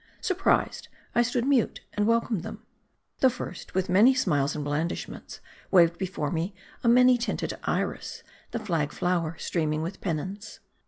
Surprised. I stood mute, and welcomed them. The first, with many smiles and blandishments, waved before me a many tinted Iris : the flag flower streaming with pennons.